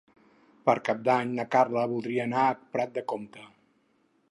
Per Cap d'Any na Carla voldria anar a Prat de Comte.